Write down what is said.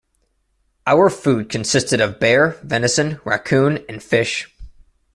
Our food consisted of bear, venison, raccoon and fish.